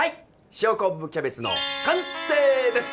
塩昆布キャベツの完成です